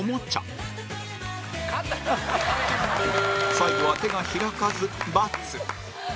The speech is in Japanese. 最後は手が開かず×